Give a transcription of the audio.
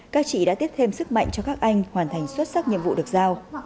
các chị đã tiếp thêm sức mạnh cho các anh hoàn thành xuất sắc nhiệm vụ được giao